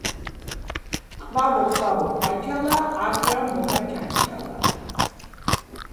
ყვავო, ყვავო, ყვანჩალა, აქ რამ მოგაჩანჩალა?